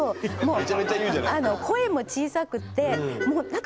めちゃめちゃ言うじゃない。